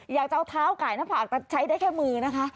อยากจะเอาเท้าไก่หน้าผากใช้ได้แค่มือนะคะ